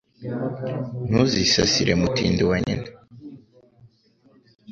Ntuzisasire Mutindi wa Nyina.